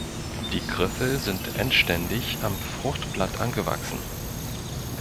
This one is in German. Die Griffel sind endständig am Fruchtblatt angewachsen.